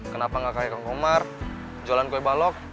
kenapa nggak kayak kang komar jualan kue balok